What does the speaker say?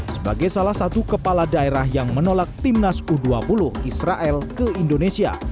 sebagai salah satu kepala daerah yang menolak timnas u dua puluh israel ke indonesia